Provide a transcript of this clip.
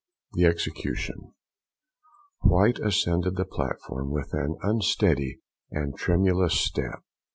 THE EXECUTION. White ascended the platform with an unsteady and tremulous step.